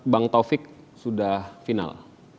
bang taufik sudah final